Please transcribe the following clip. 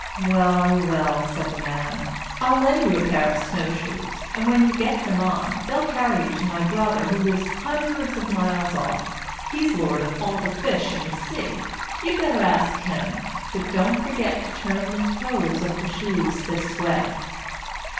"Well, well," said the man, "I'll lend you a pair of snow shoes, and, when you get them on, they'll carry you to my brother, who lives hundreds of miles off; he's lord of all the fish in the sea; you'd better ask him. But don't forget to turn the toes of the shoes this way."